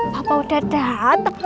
papa udah dateng